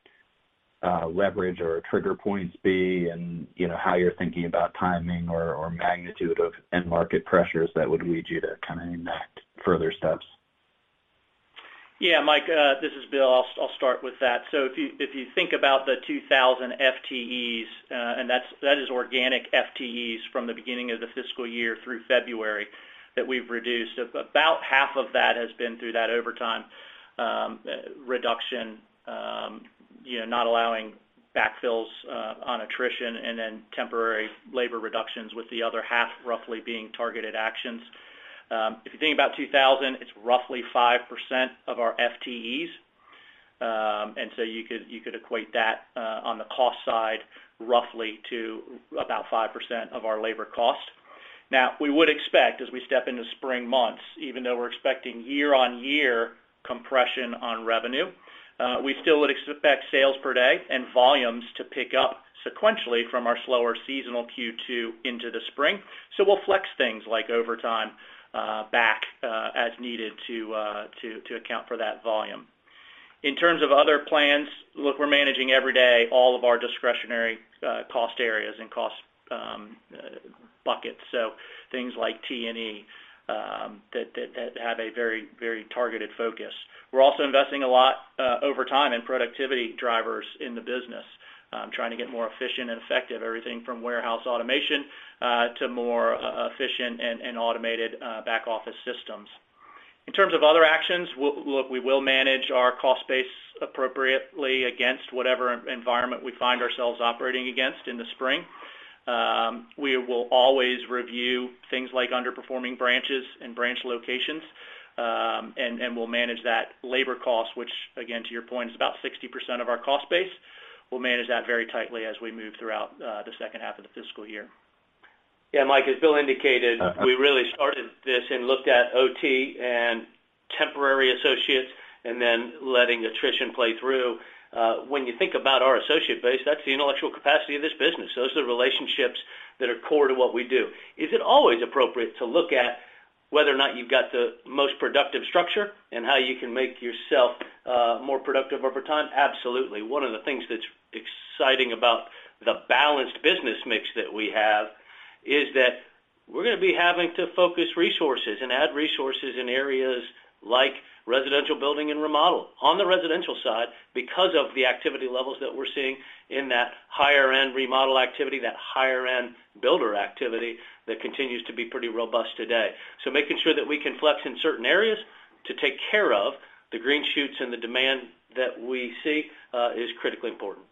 leverage or trigger points be and, you know, how you're thinking about timing or magnitude of end market pressures that would lead you to kind of enact further steps? Yeah, Mike, this is Bill. I'll start with that. If you think about the 2,000 FTEs, and that is organic FTEs from the beginning of the fiscal year through February that we've reduced. About half of that has been through that overtime reduction, you know, not allowing backfills on attrition and then temporary labor reductions with the other half roughly being targeted actions. If you think about 2,000, it's roughly 5% of our FTEs. You could equate that on the cost side roughly to about 5% of our labor cost. We would expect as we step into spring months, even though we're expecting year-on-year compression on revenue, we still would expect sales per day and volumes to pick up sequentially from our slower seasonal Q2 into the spring. We'll flex things like overtime, back, as needed to account for that volume. In terms of other plans, look, we're managing every day all of our discretionary, cost areas and cost buckets, so things like T&E, that have a very targeted focus. We're also investing a lot over time in productivity drivers in the business, trying to get more efficient and effective, everything from warehouse automation to more efficient and automated back office systems. In terms of other actions, we will manage our cost base appropriately against whatever environment we find ourselves operating against in the spring. We will always review things like underperforming branches and branch locations, and we'll manage that labor cost, which again to your point is about 60% of our cost base. We'll manage that very tightly as we move throughout the second half of the fiscal year. Mike, as Bill indicated, we really started this and looked at OT and temporary associates and then letting attrition play through. When you think about our associate base, that's the intellectual capacity of this business. Those are the relationships that are core to what we do. Is it always appropriate to look at whether or not you've got the most productive structure and how you can make yourself more productive over time? Absolutely. One of the things that's exciting about the balanced business mix that we have is that we're gonna be having to focus resources and add resources in areas like residential building and remodel. On the residential side, because of the activity levels that we're seeing in that higher end remodel activity, that higher end builder activity that continues to be pretty robust today. Making sure that we can flex in certain areas to take care of the green shoots and the demand that we see, is critically important.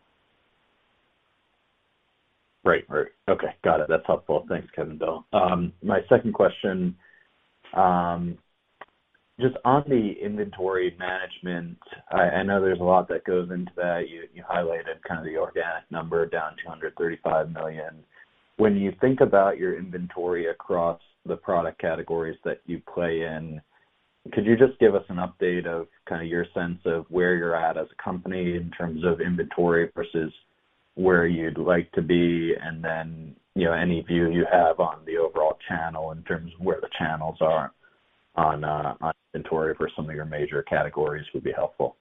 Right. Right. Okay. Got it. That's helpful. Thanks, Kevin and Bill. My second question, just on the inventory management, I know there's a lot that goes into that. You highlighted kind of the organic number down $235 million. When you think about your inventory across the product categories that you play in, could you just give us an update of kind of your sense of where you're at as a company in terms of inventory versus where you'd like to be? Then, you know, any view you have on the overall channel in terms of where the channels are on inventory for some of your major categories would be helpful.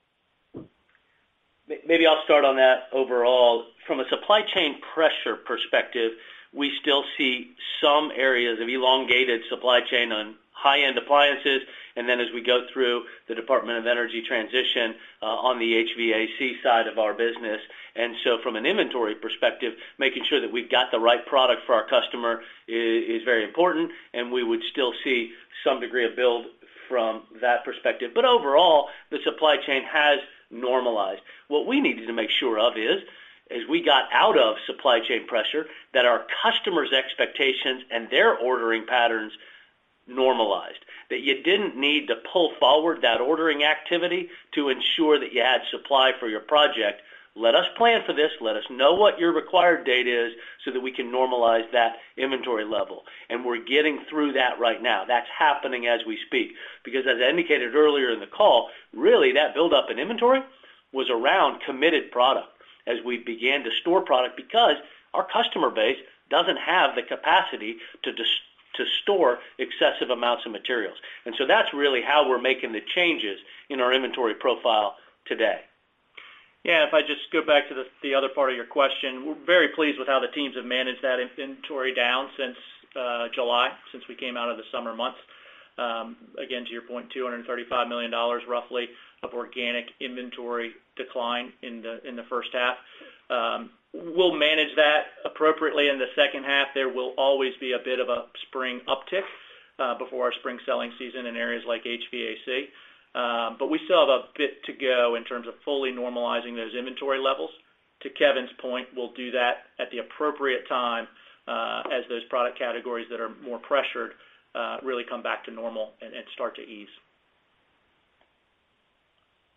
Maybe I'll start on that overall. From a supply chain pressure perspective, we still see some areas of elongated supply chain on high-end appliances, and then as we go through the Department of Energy transition on the HVAC side of our business. From an inventory perspective, making sure that we've got the right product for our customer is very important, and we would still see some degree of build from that perspective. Overall, the supply chain has normalized. What we needed to make sure of is, as we got out of supply chain pressure, that our customers' expectations and their ordering patterns normalized. That you didn't need to pull forward that ordering activity to ensure that you had supply for your project. Let us plan for this. Let us know what your required date is so that we can normalize that inventory level. We're getting through that right now. That's happening as we speak. As I indicated earlier in the call, really, that buildup in inventory was around committed product as we began to store product because our customer base doesn't have the capacity to store excessive amounts of materials. That's really how we're making the changes in our inventory profile today. Yeah. If I just go back to the other part of your question, we're very pleased with how the teams have managed that inventory down since July, since we came out of the summer months. Again, to your point, $235 million roughly of organic inventory decline in the, in the first half. We'll manage that appropriately in the second half. There will always be a bit of a spring uptick before our spring selling season in areas like HVAC. We still have a bit to go in terms of fully normalizing those inventory levels. To Kevin's point, we'll do that at the appropriate time as those product categories that are more pressured really come back to normal and start to ease.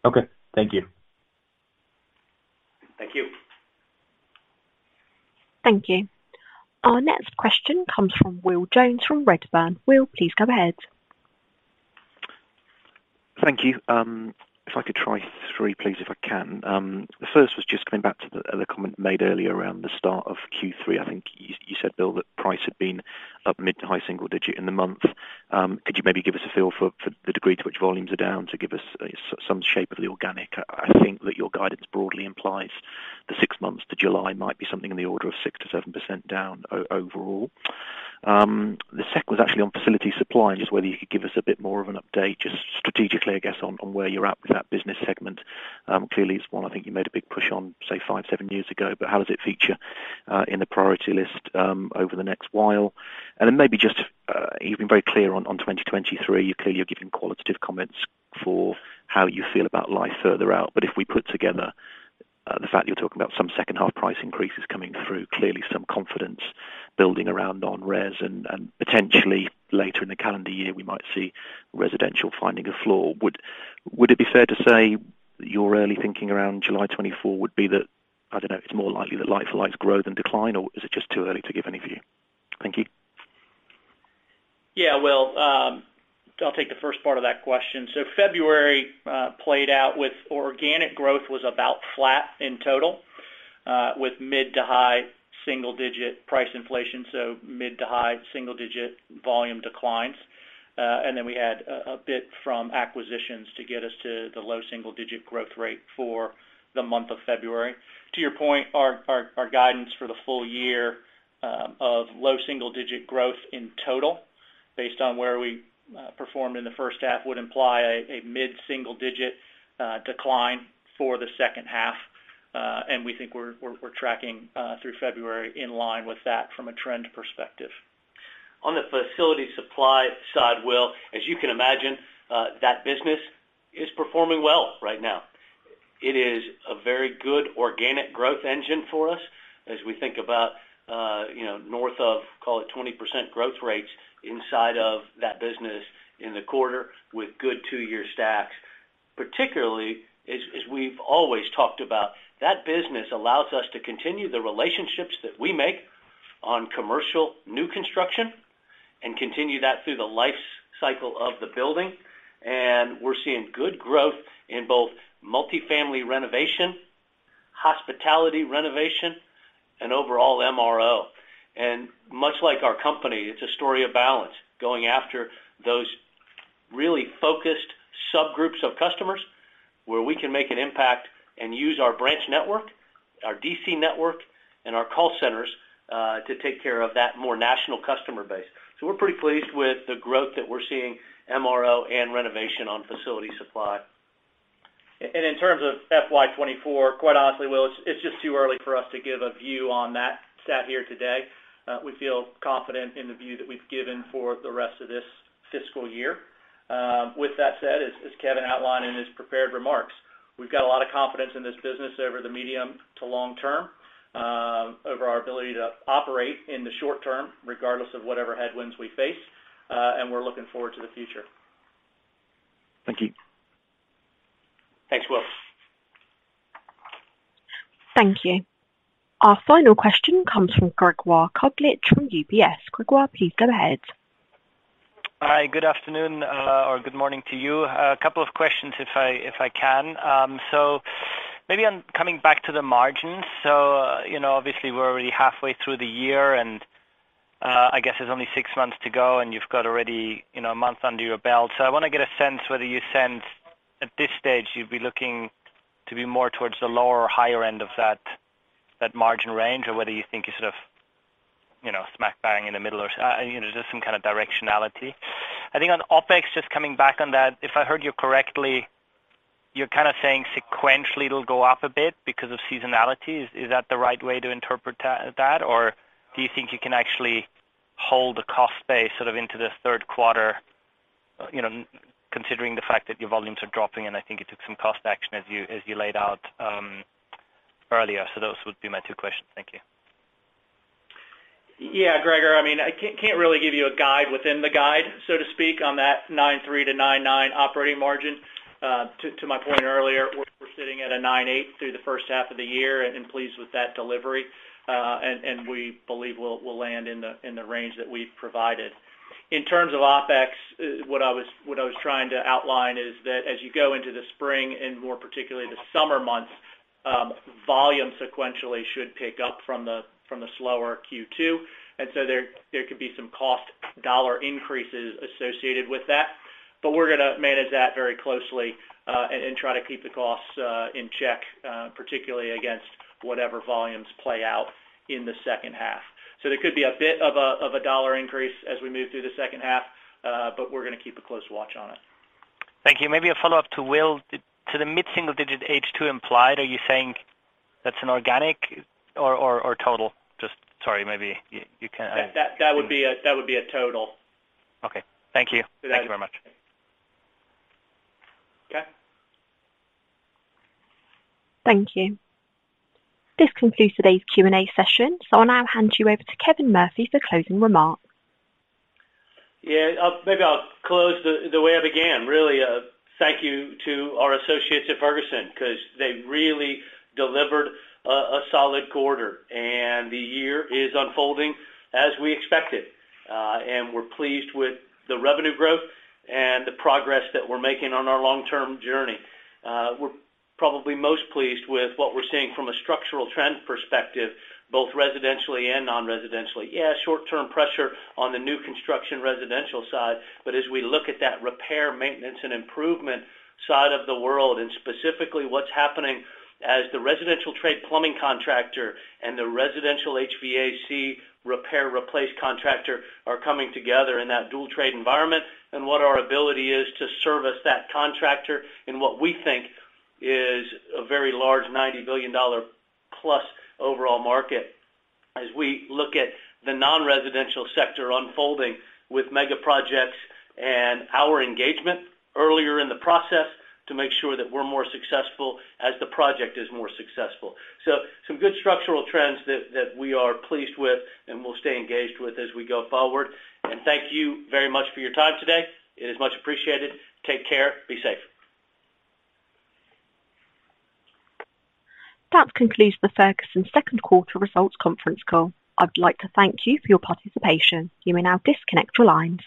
Okay. Thank you. Thank you. Thank you. Our next question comes from Will Jones from Redburn. Will, please go ahead. Thank you. If I could try three, please, if I can. The first was just coming back to the comment made earlier around the start of Q3. I think you said, Bill, that price had been up mid to high single-digit in the month. Could you maybe give us a feel for the degree to which volumes are down to give us some shape of the organic? I think that your guidance broadly implies the six months to July might be something in the order of 6%-7% down overall. The second was actually on facility supply, and just whether you could give us a bit more of an update just strategically, I guess, on where you're at with that business segment. Clearly, it's one I think you made a big push on, say, five, seven years ago, but how does it feature in the priority list over the next while? Then maybe just, you've been very clear on 2023. You're clear you're giving qualitative comments for how you feel about life further out. If we put together, the fact that you're talking about some second half price increases coming through, clearly some confidence building around on res and potentially later in the calendar year, we might see residential finding a floor. Would it be fair to say your early thinking around July 2024 would be that, I don't know, it's more likely that life aligns growth than decline, or is it just too early to give any view? Thank you. Yeah. Well, I'll take the first part of that question. February played out with organic growth was about flat in total, with mid to high single-digit price inflation, so mid to high single-digit volume declines. We had a bit from acquisitions to get us to the low single-digit growth rate for the month of February. To your point, our guidance for the full year of low single-digit growth in total based on where we performed in the first half would imply a mid-single-digit decline for the second half. We think we're tracking through February in line with that from a trend perspective. On the facility supply side, Will, as you can imagine, that business is performing well right now. It is a very good organic growth engine for us as we think about, you know, north of, call it 20% growth rates inside of that business in the quarter with good two-year stacks. Particularly as we've always talked about, that business allows us to continue the relationships that we make on commercial new construction and continue that through the life cycle of the building. We're seeing good growth in both multifamily renovation, hospitality renovation, and overall MRO. Much like our company, it's a story of balance, going after those really focused subgroups of customers where we can make an impact and use our branch network, our DC network, and our call centers to take care of that more national customer base. We're pretty pleased with the growth that we're seeing MRO and renovation on facility supply. In terms of FY 2024, quite honestly, Will, it's just too early for us to give a view on that sat here today. We feel confident in the view that we've given for the rest of this fiscal year. With that said, as Kevin outlined in his prepared remarks, we've got a lot of confidence in this business over the medium to long term, over our ability to operate in the short term regardless of whatever headwinds we face, and we're looking forward to the future. Thank you. Thanks, Will. Thank you. Our final question comes from Gregor Kuglitsch from UBS. Gregor, please go ahead. Hi, good afternoon, or good morning to you. A couple of questions if I can. Maybe on coming back to the margins. You know, obviously we're already halfway through the year, and I guess there's only six months to go, and you've got already, you know, a month under your belt. I wanna get a sense whether you sense at this stage you'd be looking to be more towards the lower or higher end of that margin range or whether you think you're sort of, you know, smack bang in the middle or, you know, just some kind of directionality. I think on the OpEx, just coming back on that, if I heard you correctly, you're kinda saying sequentially it'll go up a bit because of seasonality. Is that the right way to interpret that? Do you think you can actually hold the cost base sort of into the third quarter, you know, considering the fact that your volumes are dropping and I think you took some cost action as you laid out earlier? Those would be my two questions. Thank you. Yeah, Gregor, I mean, I can't really give you a guide within the guide, so to speak, on that 9.3%-9.9% operating margin. To my point earlier, we're sitting at a 9.8% through the first half of the year and pleased with that delivery, and we believe we'll land in the range that we've provided. In terms of OpEx, what I was trying to outline is that as you go into the spring and more particularly the summer months, volume sequentially should pick up from the slower Q2. There could be some cost dollar increases associated with that. We're gonna manage that very closely, and try to keep the costs in check particularly against whatever volumes play out in the second half. There could be a bit of a dollar increase as we move through the second half, but we're gonna keep a close watch on it. Thank you. Maybe a follow-up to Will. To the mid-single-digit H2 implied, are you saying that's an organic or total? Just sorry, maybe. That would be a total. Okay. Thank you. Thank you very much. Okay. Thank you. This concludes today's Q&A session. I'll now hand you over to Kevin Murphy for closing remarks. Yeah. Maybe I'll close the way I began. Really, thank you to our associates at Ferguson because they really delivered a solid quarter. The year is unfolding as we expected, and we're pleased with the revenue growth and the progress that we're making on our long-term journey. We're probably most pleased with what we're seeing from a structural trend perspective, both residentially and non-residentially. Yeah, short-term pressure on the new construction residential side, but as we look at that repair, maintenance, and improvement side of the world, and specifically what's happening as the residential trade plumbing contractor and the residential HVAC repair, replace contractor are coming together in that dual trade environment and what our ability is to service that contractor in what we think is a very large $90+ billion overall market. As we look at the non-residential sector unfolding with mega projects and our engagement earlier in the process to make sure that we're more successful as the project is more successful. Some good structural trends that we are pleased with and we'll stay engaged with as we go forward. Thank you very much for your time today. It is much appreciated. Take care. Be safe. That concludes the Ferguson second quarter results conference call. I'd like to thank you for your participation. You may now disconnect your lines.